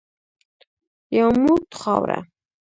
یو موټ خاوره .